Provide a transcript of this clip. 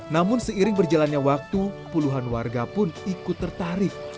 namun seiring berjalannya waktu puluhan warga pun ikut tertarik